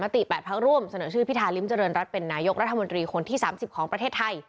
ติ๘พักร่วมเสนอชื่อพิธาริมเจริญรัฐเป็นนายกรัฐมนตรีคนที่๓๐ของประเทศไทย